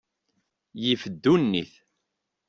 Yif ddunit.